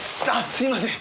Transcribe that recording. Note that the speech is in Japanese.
すいません。